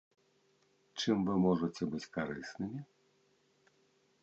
Чым вы можаце быць карыснымі?